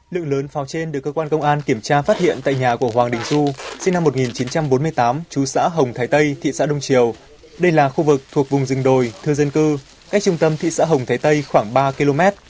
lượng lớn pháo trên được cơ quan công an kiểm tra phát hiện tại nhà của hoàng đình du sinh năm một nghìn chín trăm bốn mươi tám chú xã hồng thái tây thị xã đông triều đây là khu vực thuộc vùng rừng đồi thưa dân cư cách trung tâm thị xã hồng thái tây khoảng ba km